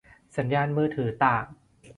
สัญญาณมือถือต่าง